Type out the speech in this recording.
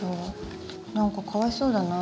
何かかわいそうだな。